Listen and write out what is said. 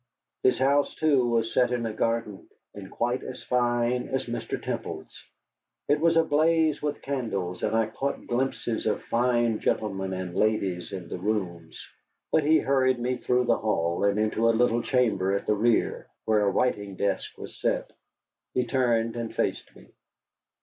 His house, too, was set in a garden and quite as fine as Mr. Temple's. It was ablaze with candles, and I caught glimpses of fine gentlemen and ladies in the rooms. But he hurried me through the hall, and into a little chamber at the rear where a writing desk was set. He turned and faced me.